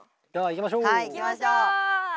行きましょう！